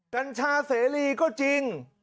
กัญชาเสรีก็จริง